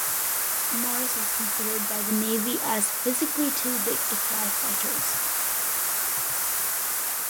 Morris was considered by the Navy as physically 'too big' to fly fighters.